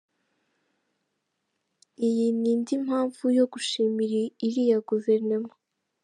Iyi, ni indi mpamvu yo gushimira iriya Guverinoma.